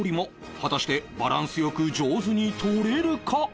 果たしてバランス良く上手に取れるか？